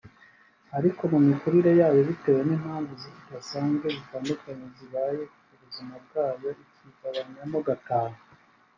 ariko mu mikurire yayo bitewe n’impamvu zidasanzwe zitandukanye zibaye ku buzima bwayo ikigabanyamo gatanu